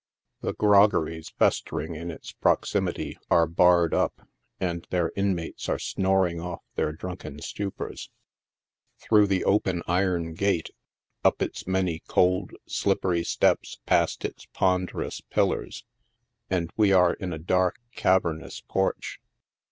The groggeries festering in its proximity are barred up, and their inmates are snoring off their drunken stupors. Through the open iron gate, up its many cold, slippery steps past its ponderous pillars, and we are in a dark, cavernous porch.